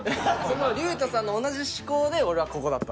その隆太さんと同じ思考で俺はここだった。